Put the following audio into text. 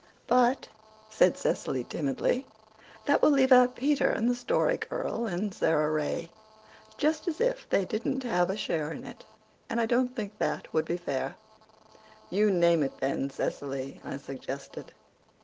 "But," said Cecily timidly, "that will leave out Peter and the Story Girl and Sara Ray, just as if they didn't have a share in it. I don't think that would be fair." "You name it then, Cecily," I suggested.